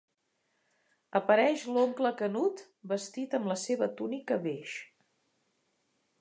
Apareix l'oncle Canut, vestit amb la seva túnica beix.